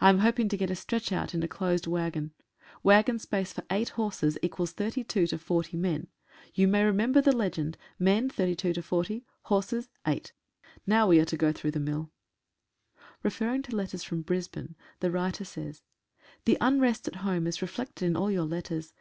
I am hoping to get a stretch out in a closed waggon [waggon space for eight horses =32 to 40 men]. You may remember the legend, "Hommes 32 40 — Chevaux 8." — Now we are to go through the mill. Referring to letters from Brisbane the writer says :— The unrest at home is reflected in all your letters.